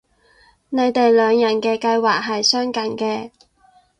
你哋兩人嘅計劃係相近嘅